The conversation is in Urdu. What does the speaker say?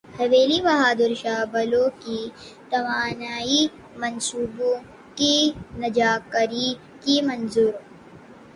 حویلی بہادر شاہ بلوکی توانائی منصوبوں کی نجکاری کی منظوری